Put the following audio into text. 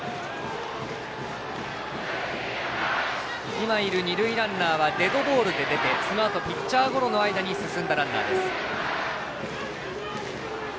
今いる二塁ランナーはデッドボールで出てそのあとピッチャーゴロの間に進んだランナーです。